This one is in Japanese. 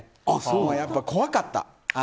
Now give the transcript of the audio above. もうやっぱ怖かった。